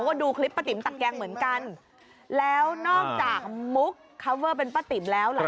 ก็ดูคลิปป้าติ๋มตักแกงเหมือนกันแล้วนอกจากมุกคาวเวอร์เป็นป้าติ๋มแล้วล่ะ